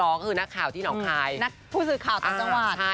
ก็คือนักข่าวที่น้องคลายนักผู้สื่อข่าวตัวจังหวาด